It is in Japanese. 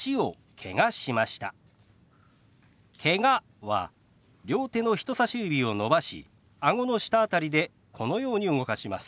「けが」は両手の人さし指を伸ばしあごの下辺りでこのように動かします。